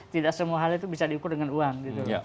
tidak semua hal itu bisa diukur dengan uang gitu